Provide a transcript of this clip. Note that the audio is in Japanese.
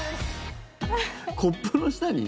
コップの下に？